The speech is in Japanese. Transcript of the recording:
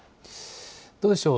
どうでしょう。